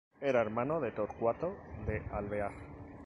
Era hermano de Torcuato de Alvear.